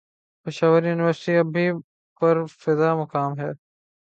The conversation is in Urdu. پشاور یونیورسٹی اب بھی پرفضامقام ہے